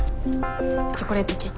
チョコレートケーキ。